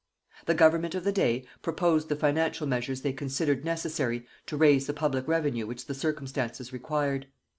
The Government of the day proposed the financial measures they considered necessary to raise the public revenue which the circumstances required.